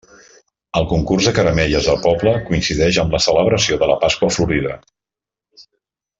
El Concurs de Caramelles del poble coincideix amb la celebració de la Pasqua Florida.